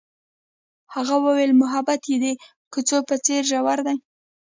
هغې وویل محبت یې د کوڅه په څېر ژور دی.